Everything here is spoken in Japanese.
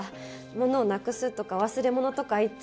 物をなくすとか忘れ物とかいっつもで。